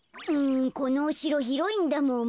このおしろひろいんだもん。